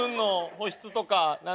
保湿とか。